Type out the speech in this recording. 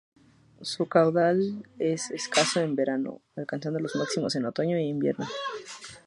Su caudal es escaso en verano, alcanzando los máximos en otoño e invierno.